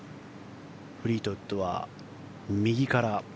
フリートウッドは右から。